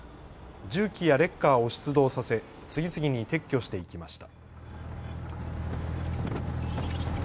重機やレッカーを出動させ次々に撤去していきました。